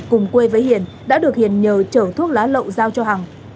cùng quê với hiền đã được hiền nhờ trở thuốc lá lộ giao cho hằng